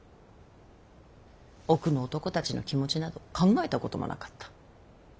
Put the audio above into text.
奥の男たちの気持ちなど考えたこともなかった。